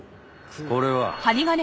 これは？